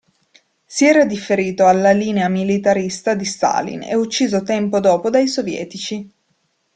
Si era differito alla linea militarista di Stalin e ucciso tempo dopo dai sovietici.